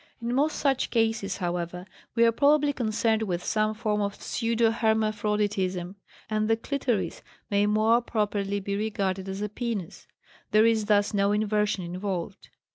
In most such cases, however, we are probably concerned with some form of pseudohermaphroditism, and the "clitoris" may more properly be regarded as a penis; there is thus no inversion involved.